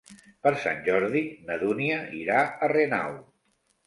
Per Sant Jordi na Dúnia irà a Renau.